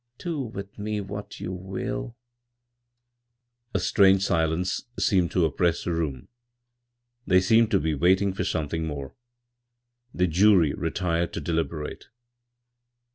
"Do with me what you will." A strange silence seemed to oppress the room. They seemed to be waiting for something more. The jury retired to deliberate.